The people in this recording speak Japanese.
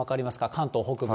関東北部。